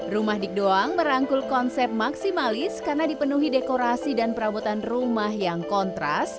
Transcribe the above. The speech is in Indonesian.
rumah dik doang merangkul konsep maksimalis karena dipenuhi dekorasi dan perabotan rumah yang kontras